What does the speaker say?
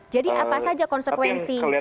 jadi apa saja konsekuensi